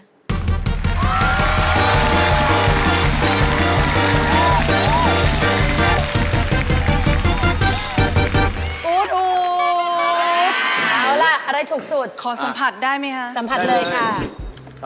เอาล่ะอะไรถูกสุดขอสัมผัสได้ไหมคะสัมผัสเลยค่ะ